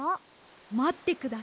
まってください。